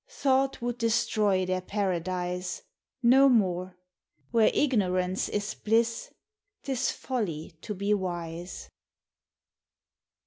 Thought would destroy their paradise. No more: — where ignorance is bliss, 'T is folly to be wise!